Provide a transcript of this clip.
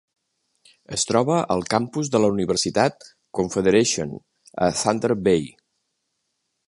Es troba al campus de la universitat Confederation, a Thunder Bay.